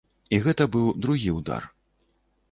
І гэта быў другі ўдар.